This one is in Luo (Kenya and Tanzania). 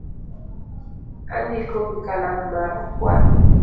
Andiko gi kalam ma rakwar